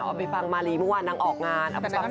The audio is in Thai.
ว่าไปฟังมาลีเมื่อวานนางออกงานอัพสัมภาษณ์